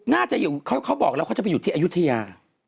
น่าจะอยู่เขาบอกแล้วเขาจะไปอยู่ที่อายุทยา